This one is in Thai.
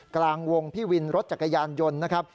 กลางวงพี่วินรถจักรยานยนต์นะครับ